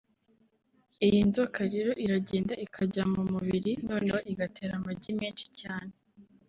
Iyi nzoka rero iragenda ikajya mu mubiri noneho igatera amagi menshi cyane